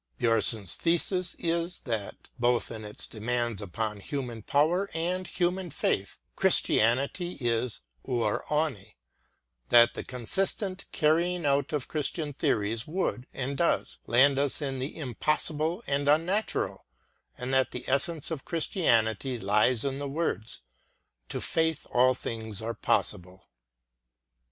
Bjorn son's thesis is that, both in its demands upon human power and human faith, Christianity is over aevne;'* that the consistent carrying out of Chris tian theories would, and does, land us in the im possible and unnatural; and that the essence of (Christianity lies in the words : To faith, all things are possible.